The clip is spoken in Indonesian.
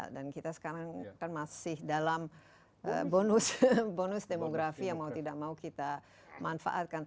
dan kita sekarang kan masih dalam bonus demografi yang mau tidak mau kita manfaatkan